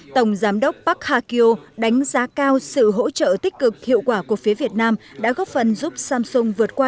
tổng giám đốc park hak kyo đánh giá cao sự hỗ trợ tích cực hiệu quả của phía việt nam đã góp phần giúp samsung vượt qua